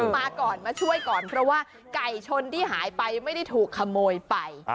มาก่อนมาช่วยก่อนเพราะว่าไก่ชนที่หายไปไม่ได้ถูกขโมยไป